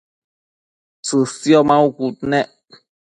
tsësio maucud nec